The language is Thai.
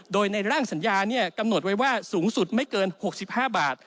โดยในร่างสัญญากำหนดไว้ว่าสูงสุดไม่เกิน๖๕บาท